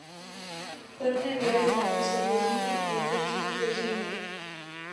Fueron enviados a la prisión de Libby, en Richmond, Virginia.